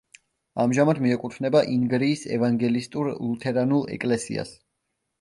ამჟამად მიეკუთვნება ინგრიის ევანგელისტურ-ლუთერანულ ეკლესიას.